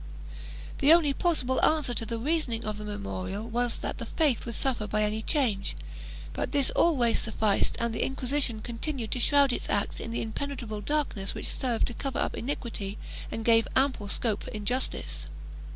1 The only possible answer to the reasoning of the memorial was that the faith would suffer by any change, but this always sufficed and the Inquisition con tinued to shroud its acts in the impenetrable darkness which served to cover up iniquity and give ample scope for injustice.